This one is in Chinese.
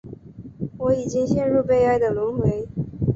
我已经陷入悲哀的轮回